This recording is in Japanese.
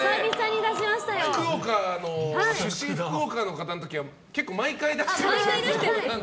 出身、福岡の方の時は結構毎回出してますよね。